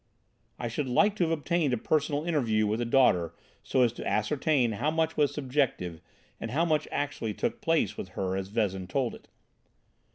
"I should like to have obtained a personal interview with the daughter so as to ascertain how much was subjective and how much actually took place with her as Vezin told it.